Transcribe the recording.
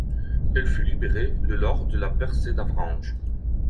Elle fut libérée le lors de la percée d'Avranches.